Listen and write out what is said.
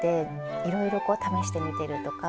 いろいろこう試してみてるとか。